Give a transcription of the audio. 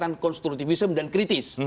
pendekatan konstruktivisme dan kritis